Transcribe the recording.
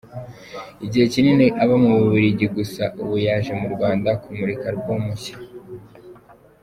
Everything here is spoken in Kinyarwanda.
Igihe kinini aba mu Bubiligi gusa ubu yaje mu Rwanda kumurika album nshya.